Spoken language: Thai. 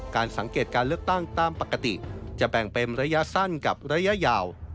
การสังเกตการเลือกตั้งตามปกติจะแบ่งเป็นระยะสั้นกับระยะยาว